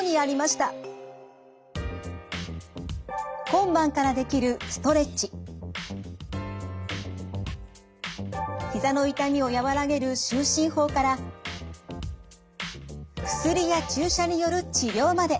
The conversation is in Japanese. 今晩からできるひざの痛みを和らげる就寝法から薬や注射による治療まで。